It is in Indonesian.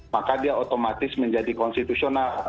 maka dia otomatis menjadi konstitusional